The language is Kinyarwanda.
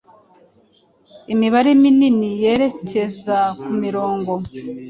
Imibare minini yerekezakumirongo